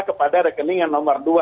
kepada rekening yang nomor dua